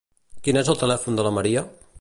Quin és el telèfon de la Maria?